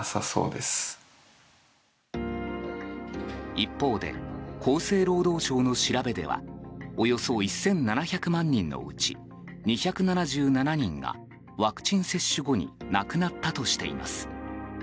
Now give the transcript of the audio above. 一方で厚生労働省の調べではおよそ１７００万人のうち２７７人がワクチン接種後に亡くなったとしています。